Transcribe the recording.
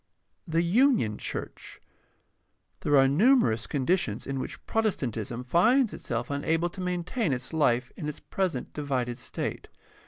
The union church. — There are numerous conditions in which Protestantism finds itself unable to maintain its life in its present divided state.